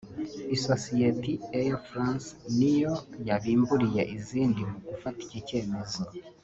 Isosiyeti “Air France” niyo yabibumburiye izindi mu gufata iki cyemezo